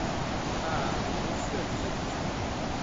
Ah ! monsieur a vu ça tout de suite !